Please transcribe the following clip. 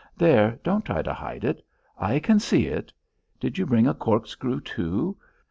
There! don't try to hide it; I can see it. Did you bring a corkscrew too?